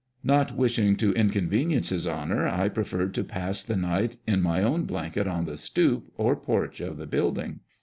Not wishing to inconve nience his Honour, I preferred to pass the night in my own blanket, on the "stoup" or porch of the building.